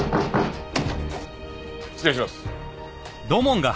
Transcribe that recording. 失礼します。